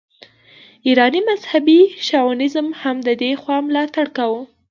ایراني مذهبي شاونیزم هم د دې خوا ملاتړ کاوه.